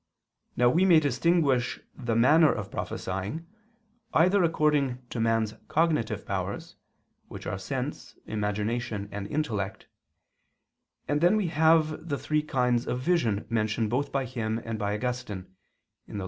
Now we may distinguish the manner of prophesying either according to man's cognitive powers, which are sense, imagination, and intellect, and then we have the three kinds of vision mentioned both by him and by Augustine (Gen. ad lit.